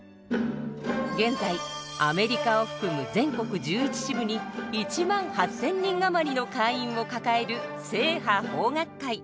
現在アメリカを含む全国１１支部に１万８，０００人余りの会員を抱える正派邦楽会。